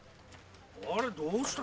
あれどうした？